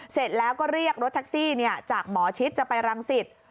เสร็จแล้วก็เรียกรถแท็กซี่จากหมอชิดจะไปรังสิต